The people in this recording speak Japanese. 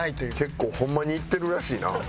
結構ホンマに行ってるらしいな。